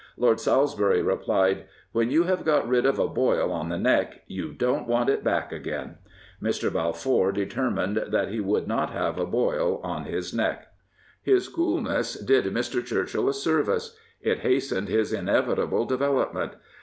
Lord Salisbury replied: " When you have got rid of a boil on the neck, you don't want it back again." Mr. Balfour determined that he would not have a boil on the neck. His coolness did Mr. Churchill a service. It hastened his inevitable development.